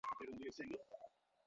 পথে আপিসের গাড়ির শব্দের বিরাম নাই।